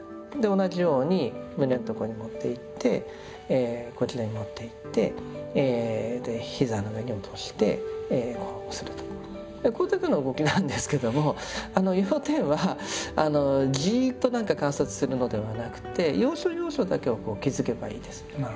同じように胸の所に持っていってこちらに持っていって膝の上に落としてこれだけの動きなんですけども要点はじっと観察するのではなくて要所要所だけを気づけばいいです。